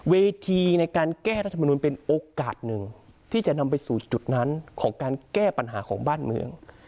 เวทีในการแก้รัฐมนุนเป็นโอกาสหนึ่งที่จะนำไปสู่จุดนั้นของการแก้ปัญหาของบ้านเมือง